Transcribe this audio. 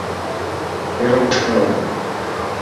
ڪهڙو مصلو هي.